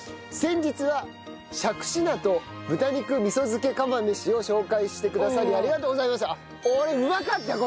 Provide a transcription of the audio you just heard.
先日はしゃくし菜と豚肉味噌漬け釜飯を紹介してくださりありがとうございました。